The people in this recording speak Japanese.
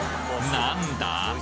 何だ？